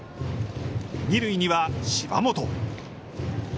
二塁には芝本。